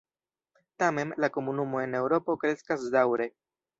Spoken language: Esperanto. Tamen, la komunumo en Eŭropo kreskas daŭre.